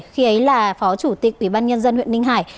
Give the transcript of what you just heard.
khi ấy là phó chủ tịch ủy ban nhân dân huyện ninh hải